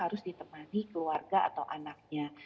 harus ditemani keluarga atau anaknya